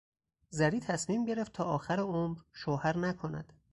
زری تصمیم گرفت تا آخر عمر شوهر نکند.